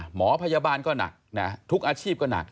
หมอพยาบาลก็หนักนะทุกอาชีพก็หนัก